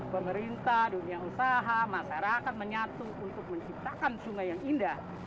pemerintah dunia usaha masyarakat menyatu untuk menciptakan sungai yang indah